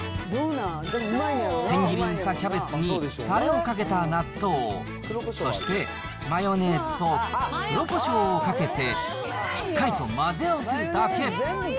千切りにしたキャベツに、たれをかけた納豆、そして、マヨネーズと黒こしょうをかけて、しっかりと混ぜ合わせるだけ。